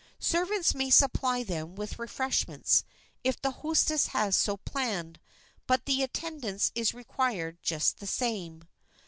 Servants may supply them with refreshments if the hostess has so planned, but the attendance is required just the same.